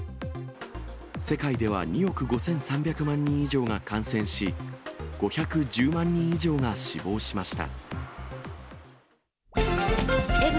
世界では２億５３００万人以上が感染し、５１０万人以上が死亡しました。